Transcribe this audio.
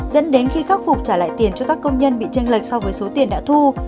dẫn đến khi khắc phục trả lại tiền cho các công nhân bị tranh lệch so với số tiền đã thu